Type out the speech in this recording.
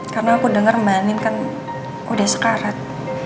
karena aku denger manin kan udah sekarat